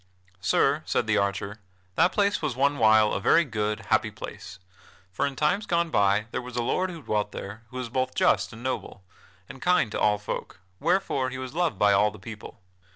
"Sir," said the archer, "that place was one while a very good, happy place; for in times gone by there was a lord who dwelt there who was both just and noble, and kind to all folk, wherefore he was loved by all the people.